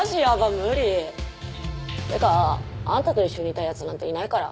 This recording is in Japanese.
無理！ってかあんたと一緒にいたい奴なんていないから。